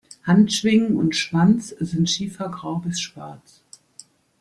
Handschwingen und Schwanz sind schiefergrau bis schwarz.